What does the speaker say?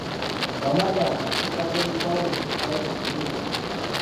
Wamma ddala nafuuka w’oliggwa wendiggwa yennyini.